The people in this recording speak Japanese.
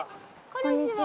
こんにちは。